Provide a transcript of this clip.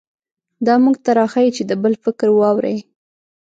دا موږ ته راښيي چې د بل فکر واورئ.